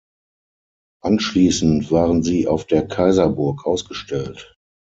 Anschließend waren sie auf der Kaiserburg ausgestellt.